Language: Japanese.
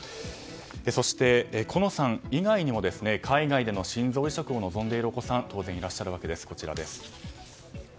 そして、好乃さん以外にも海外での心臓移植を望んでいるお子さんは当然いらっしゃるわけです。